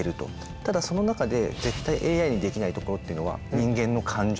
ただその中で絶対ＡＩにできないところっていうのは「人間の感情」。